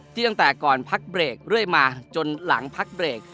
ตั้งแต่ก่อนพักเบรกเรื่อยมาจนหลังพักเบรก